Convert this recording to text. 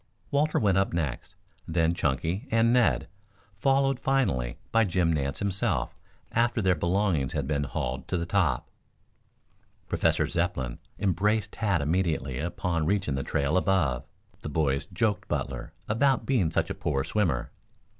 Walter went up next, then Chunky and Ned, followed finally by Jim Nance himself after their belongings had been hauled to the top. Professor Zepplin embraced Tad immediately upon reaching the trail above. The boys joked Butler about being such a poor swimmer.